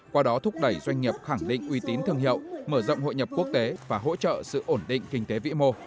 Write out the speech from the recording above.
qua đó thúc đẩy doanh nghiệp khẳng định uy tín thương hiệu mở rộng hội nhập quốc tế và hỗ trợ sự ổn định kinh tế vĩ mô